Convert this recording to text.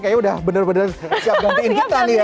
kayaknya udah bener bener siap gantiin kita nih ya